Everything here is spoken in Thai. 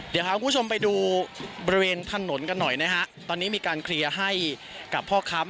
เดี๋ยวพาคุณผู้ชมไปดูบริเวณถนนกันหน่อยนะฮะตอนนี้มีการเคลียร์ให้กับพ่อค้า